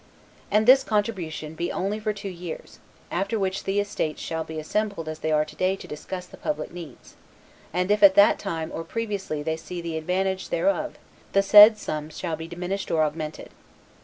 And this contribution be only for two years, after which the estates shall be assembled as they are to day to discuss the public needs; and if at that time or previously they see the advantage thereof, the said sum shall be diminished or augmented.